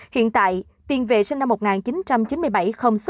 hiện tại thiên vệ sinh năm một nghìn chín trăm chín mươi bảy không xuất